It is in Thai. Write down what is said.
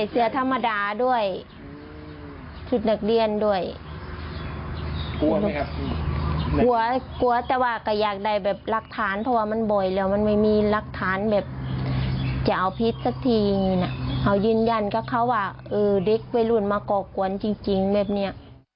เอายืนยันกับเขาว่าดริกวัยรุ่นมาเกาะกวนจริงแบบนี้